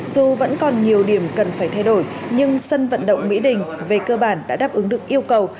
dù vẫn còn nhiều điểm cần phải thay đổi nhưng sân vận động mỹ đình về cơ bản đã đáp ứng được yêu cầu